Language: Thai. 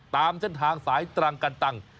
ตามเส้นทางสายตรังกันตัง